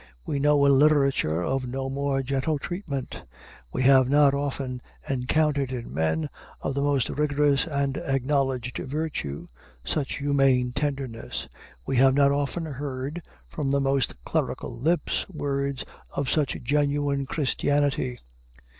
We know in literature of no more gentle treatment; we have not often encountered in men of the most rigorous and acknowledged virtue such humane tenderness; we have not often heard from the most clerical lips words of such genuine Christianity.